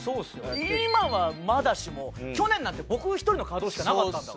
今はまだしも去年なんて僕１人の稼働しかなかったんだから。